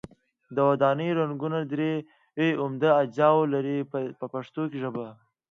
د ودانیو رنګونه درې عمده اجزاوې لري په پښتو ژبه.